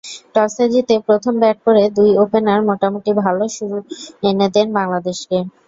টসে জিতে প্রথমে ব্যাট করে দুই ওপেনার মোটামুটি ভালো শুরু এনে দেন বাংলাদেশকে।